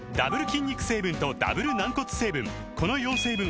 筋肉成分とダブル軟骨成分